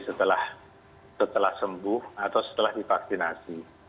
setelah sembuh atau setelah divaksinasi